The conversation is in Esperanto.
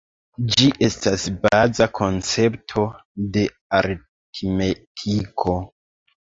Ĝi estas baza koncepto de aritmetiko.